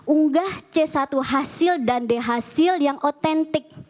unggah c satu hasil dan d hasil yang otentik